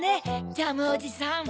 ジャムおじさん。